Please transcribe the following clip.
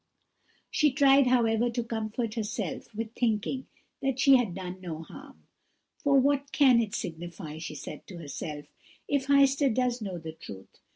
She tried, however, to comfort herself with thinking that she had done no harm. 'For what can it signify,' she said to herself, 'if Heister does know the truth?'